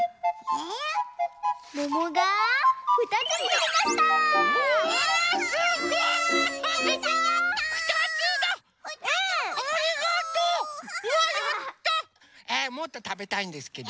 えっもっとたべたいんですけど。